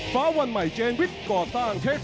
ฟ้าวันใหม่เจนวิทย์ก่อสร้าง